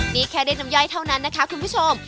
นี่แค่ได้น้ำย่อยเท่านั้นนะคะคุณผู้ชม